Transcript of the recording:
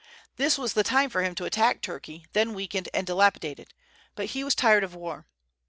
This was the time for him to attack Turkey, then weakened and dilapidated; but he was tired of war.